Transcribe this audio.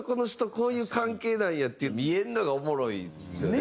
こういう関係なんやって見えるのがおもろいですよね。